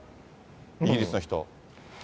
イギリスの人。